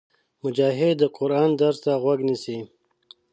مجاهد د قرآن درس ته غوږ نیسي.